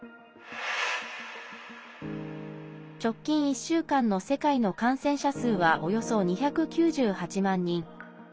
直近１週間の世界の感染者数はおよそ２９８万人。